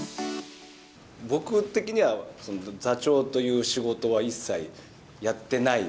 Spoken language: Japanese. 僕的には座長という仕事は一切やってない。